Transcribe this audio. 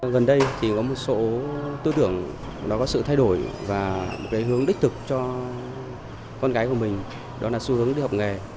gần đây thì có một số tư tưởng nó có sự thay đổi và một cái hướng đích thực cho con gái của mình đó là xu hướng đi học nghề